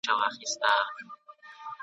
حاجي لالی به معلومات ورکوي.